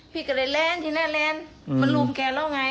พี่ก็เลยเล้นที่หน้าเล้นมันรุมแกแล้วไง